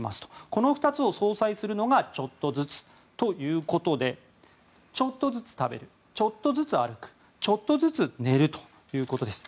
この２つを相殺するのがちょっとずつということでちょっとずつ食べるちょっとずつ歩くちょっとずつ寝るということです。